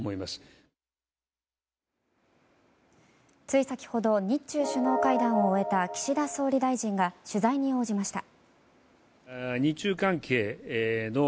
つい先ほど日中首脳会談を終えた岸田総理大臣が取材に応じました。